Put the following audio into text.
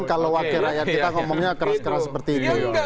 kalau wakil rakyat kita ngomongnya keras keras seperti ini